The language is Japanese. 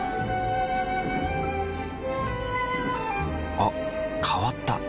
あ変わった。